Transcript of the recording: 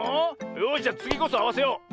よしじゃつぎこそあわせよう。